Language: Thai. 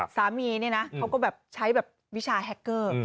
สามีเนี่ยนะเขาก็แบบใช้แบบวิชาแฮคเกอร์